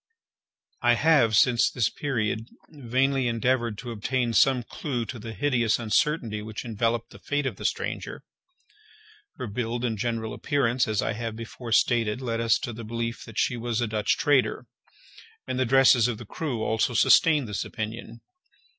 I have, since this period, vainly endeavoured to obtain some clew to the hideous uncertainty which enveloped the fate of the stranger. Her build and general appearance, as I have before stated, led us to the belief that she was a Dutch trader, and the dresses of the crew also sustained this opinion.